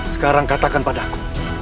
sekarang katakan padaku